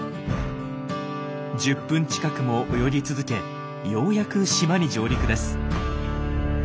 １０分近くも泳ぎ続けようやく島に上陸です。